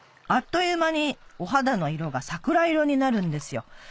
あっという間にお肌の色が桜色になるんですよ